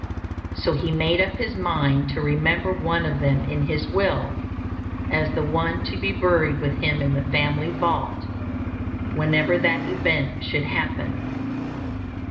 So he made up his mind to remember one of them in his will, as the one to be buried with him in the family vault, whenever that event should happen.